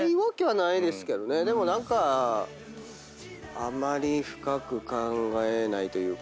でも何かあまり深く考えないというか。